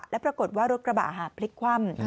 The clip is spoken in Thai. และปรากฏว่ารถกระบะพลิกคว่ำ